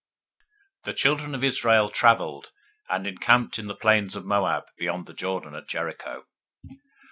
022:001 The children of Israel traveled, and encamped in the plains of Moab beyond the Jordan at Jericho.